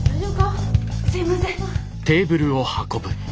すいません。